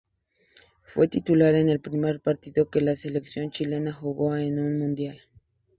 Fue titular en el primer partido que la Selección Chilena jugó en un mundial.